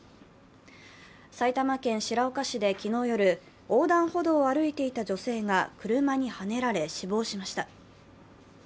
埼玉県白岡市で昨日夜、横断歩道を歩いていた女性が車にはねられ、死亡しました。